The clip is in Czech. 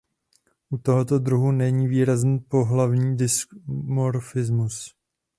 U tohoto druhu není výrazný pohlavní dimorfismus.